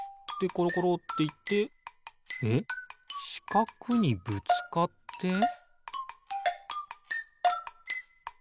でころころっていってえっしかくにぶつかって？